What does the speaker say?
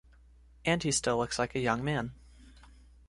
And he still looks a young man.